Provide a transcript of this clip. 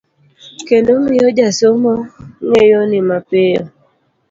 kendo miyo jasomo ng'eyogi mapiyo